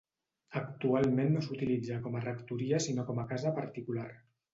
Actualment no s’utilitza com a rectoria sinó com a casa particular.